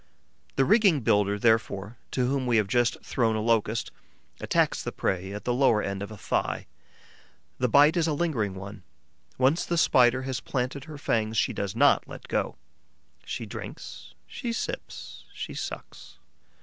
The rigging builder, therefore, to whom we have just thrown a Locust attacks the prey at the lower end of a thigh. The bite is a lingering one: once the Spider has planted her fangs, she does not let go. She drinks, she sips, she sucks.